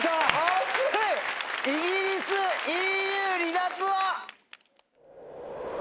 「イギリスＥＵ離脱」は？